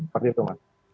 seperti itu mas